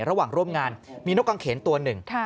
ระหว่างร่วมงานมีนกกังเขนตัวหนึ่ง